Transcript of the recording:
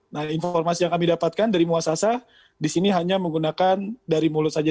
nah informasi yang kami dapatkan dari muasasa di sini hanya menggunakan dari mulut saja